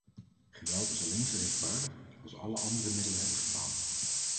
Geweld is alleen gerechtvaardigd als alle andere middelen hebben gefaald.